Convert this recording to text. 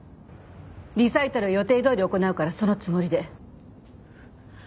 リサイタルは予定どおり行うからそのつもりで。